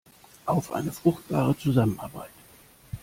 Auf eine fruchtbare Zusammenarbeit!